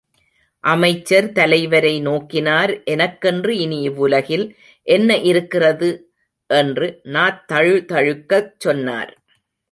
அமைச்சர் தலைவரை நோக்கினார் எனக்கென்று இனி இவ்வுலகில் என்ன இருக்கிறது? என்று நாத் தழுதழுக்கச் சொன்னார்.